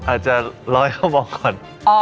อาจจะรอให้เขามองก่อน